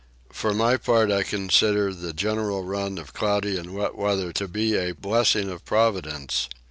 For my own part I consider the general run of cloudy and wet weather to be a blessing of Providence.